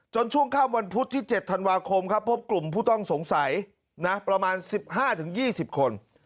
ช่วงค่ำวันพุธที่๗ธันวาคมครับพบกลุ่มผู้ต้องสงสัยประมาณ๑๕๒๐คน